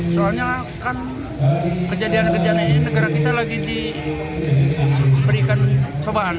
soalnya kan kejadian kejadian ini negara kita lagi diberikan cobaan